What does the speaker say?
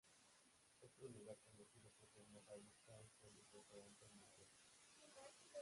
Otro lugar conocido por su hermosa vista es el restaurante Monte Azul.